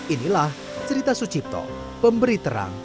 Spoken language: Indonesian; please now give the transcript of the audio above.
inilah cerita sucipto pemberi terang